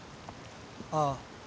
ああ。